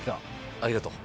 ありがとう。